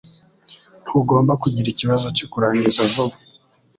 ntugomba kugira ikibazo cyo kurangiza vuba